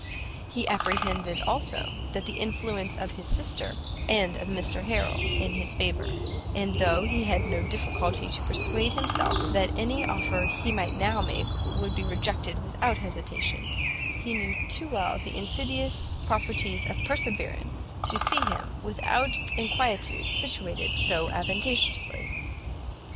He apprehended, also, the influence of his sister and of Mr Harrel in his favour; and though he had no difficulty to persuade himself that any offer he might now make would be rejected without hesitation, he knew too well the insidious properties of perseverance, to see him, without inquietude, situated so advantageously.